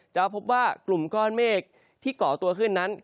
จะพบว่ากลุ่มก้อนเมฆที่เกาะตัวขึ้นนั้น